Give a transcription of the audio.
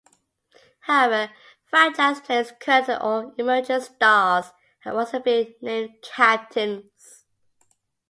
However, franchise players-current or emerging stars-have also been named captains.